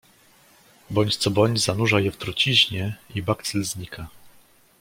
"Bądź co bądź zanurza je w truciźnie i bakcyl znika."